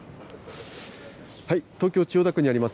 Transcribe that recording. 東京・千代田区にあります